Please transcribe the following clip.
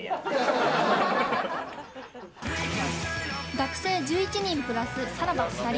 学生１１人プラスさらばの２人。